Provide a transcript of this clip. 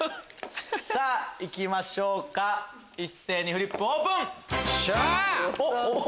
さぁいきましょうか一斉にフリップオープン！